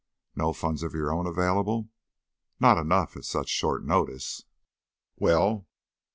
"No funds of your own available?" "Not enough, at such short notice." "Well?"